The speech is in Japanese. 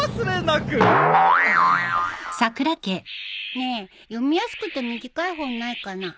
ねえ読みやすくて短い本ないかな？